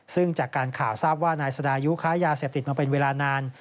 ซึ่งจากการข่าวทราบว่านายสดายุค้ายาเสพติดมาเป็นเวลานาน